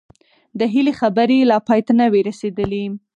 د هيلې خبرې لا پای ته نه وې رسېدلې